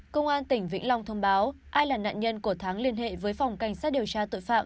công an tỉnh vĩnh long thông báo ai là nạn nhân của thắng liên hệ với phòng cảnh sát điều tra tội phạm